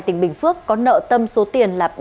tỉnh bình phước có nợ tâm số tiền là